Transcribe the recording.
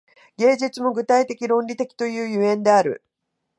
芸術も具体的論理的という所以である。